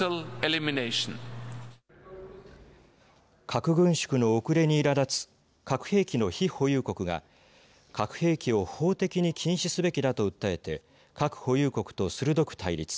核軍縮の遅れに、いらだつ核兵器の非保有国が核兵器を法的に禁止すべきだと訴えて核保有国と鋭く対立。